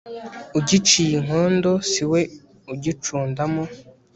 ugiciye inkondo siwe ugicundamo